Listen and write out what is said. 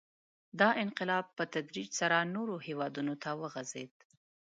• دا انقلاب په تدریج سره نورو هېوادونو ته وغځېد.